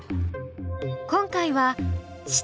今回は「質」。